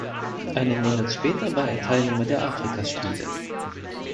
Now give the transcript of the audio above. Einen Monat später war er Teilnehmer der Afrikaspiele.